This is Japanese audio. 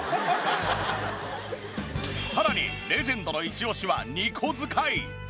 さらにレジェンドのイチオシは２個使い！